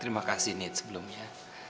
terima kasih nid sebelumnya